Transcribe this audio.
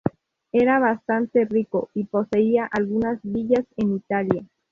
Era bastante rico y poseía algunas villas en Italia.